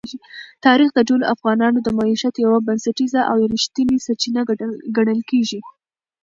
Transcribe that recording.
تاریخ د ټولو افغانانو د معیشت یوه بنسټیزه او رښتینې سرچینه ګڼل کېږي.